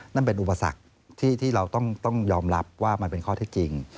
นั่นเป็นอุปสรรคที่เราต้องยอมรับว่ามันเป็นข้อเท็จจริง